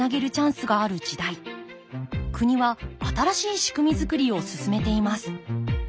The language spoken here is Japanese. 国は新しい仕組み作りを進めています。